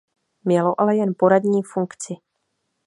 Mělo ale jen poradní funkci.